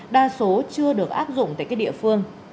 đa số chưa được áp dụng tại các địa phương